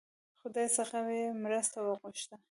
خدای څخه یې مرسته وغوښته.